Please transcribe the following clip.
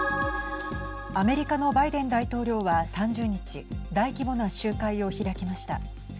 アメリカのバイデン大統領は３０日大規模な集会を開きました。